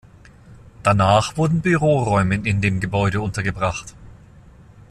Danach wurden Büroräume in dem Gebäude untergebracht.